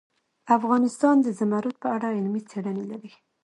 افغانستان د زمرد په اړه علمي څېړنې لري.